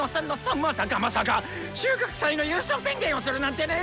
まさかまさか収穫祭の優勝宣言をするなんてね！